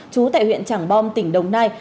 chú tại huyện trảng bom tỉnh đồng nai